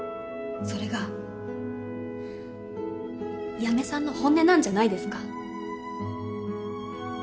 それが八女さんの本音なんじゃないですか？